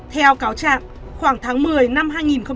theo cáo trạng khoảng tháng một mươi năm hai nghìn hai mươi hai